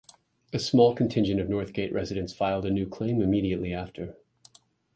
A small contingent of Northgate residents filed a new claim immediately after.